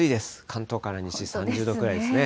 関東から西３０度ぐらいですね。